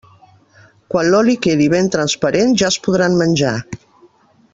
Quan l'oli quedi ben transparent, ja es podran menjar.